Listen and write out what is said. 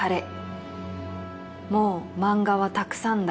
「もう漫画はたくさんだ」